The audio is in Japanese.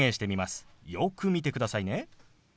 よく見てくださいね。